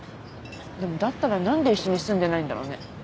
でもだったら何で一緒に住んでないんだろうね。